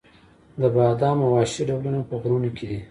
د بادامو وحشي ډولونه په غرونو کې دي؟